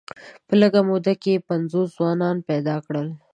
په لږه موده کې یې پنځوس ځوانان پیدا کړل.